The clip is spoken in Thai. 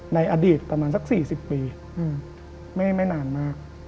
ในอดีตประมาณสัก๔๐ปีไม่นานมาก